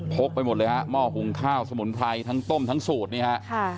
กไปหมดเลยฮะหม้อหุงข้าวสมุนไพรทั้งต้มทั้งสูตรนี่ฮะ